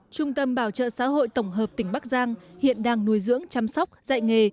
trung tâm bảo trợ xã hội tổng hợp tỉnh bắc giang hiện đang nuôi dưỡng chăm sóc dạy nghề